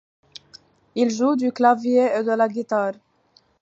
Il joue du clavier et de la guitare.